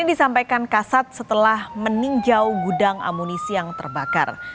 ini disampaikan kasat setelah meninjau gudang amunisi yang terbakar